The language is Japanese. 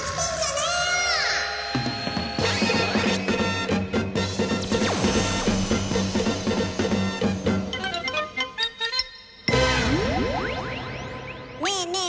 ねえねえ